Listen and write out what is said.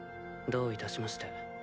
どういたしまして。